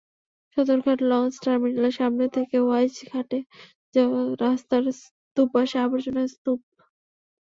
Sadarghat launch টার্মিনালের সামনে থেকে ওয়াইজ ঘাটে যাওয়ার রাস্তার দুপাশে আবর্জনার স্তূপ।